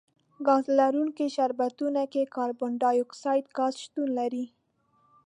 ګاز لرونکي شربتونو کې کاربن ډای اکسایډ ګاز شتون لري.